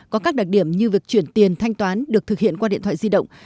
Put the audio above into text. có các đặc điểm như việc chuyển tiền thanh toán được thực hiện qua điện thoại di động